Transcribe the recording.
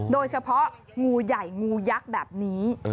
โดยเฉพาะงูใหญ่งูยักษ์แบบนี้